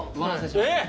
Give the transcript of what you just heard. えっ！